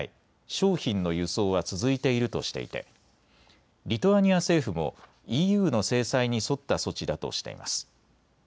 商品の輸送は続いているとしていてリトアニア政府もＥＵの制裁に沿った措置だとしています。